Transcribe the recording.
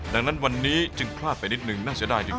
ดังนั้นวันนี้จึงพลาดไปนิดนึงน่าเสียดายจริง